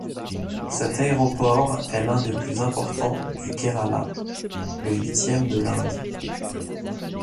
Cet aéroport est l'un des plus importants du Kerala, le huitième de l'Inde.